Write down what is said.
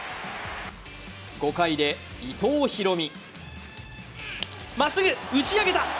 ５回で伊藤大海。